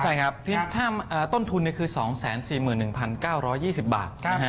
ใช่ครับต้นทุนคือ๒๔๑๙๒๐บาทนะครับ